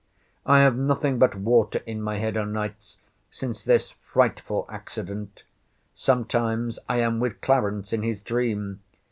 I have nothing but water in my head o' nights since this frightful accident. Sometimes I am with Clarence in his dream.